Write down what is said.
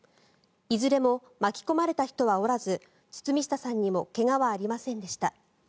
いずれも巻き込まれた人はおらず堤下さんにも怪我はありませんでした。